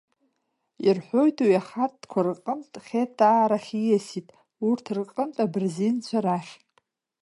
Ирҳәоит уи ахаттқәа рҟнытә хеттаа рахь ииасит, урҭ рҟнытә абырзенцәа рахь.